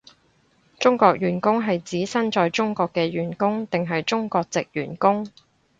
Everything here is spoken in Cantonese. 中國員工係指身在中國嘅員工定係中國藉員工？